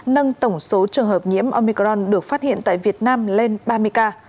nâng tổng số trường hợp nhiễm omicron được phát hiện tại việt nam lên ba mươi ca